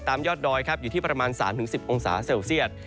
ยอดดอยครับอยู่ที่ประมาณ๓๑๐องศาเซลเซียต